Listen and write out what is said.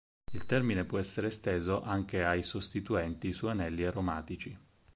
Il termine può essere esteso anche ai sostituenti su anelli aromatici.